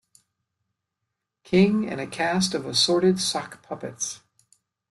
King and a cast of assorted sock puppets.